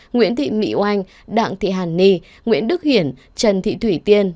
nguyễn thị mỹ oanh đặng thị hàn ni nguyễn đức hiển trần thị thủy tiên